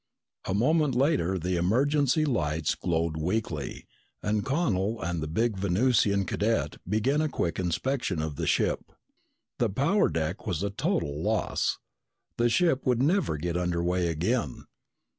A moment later the emergency lights glowed weakly and Connel and the big Venusian cadet began a quick inspection of the ship. The power deck was a total loss. The ship would never get under way again.